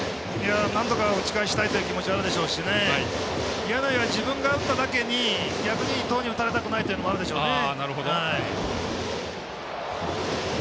なんとか打ち返したいという気持ちはあるでしょうし柳は自分が打っただけに逆に伊藤に打たれたくないというのもあるでしょうね。